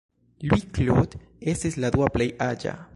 Louis-Claude estis la dua plej aĝa.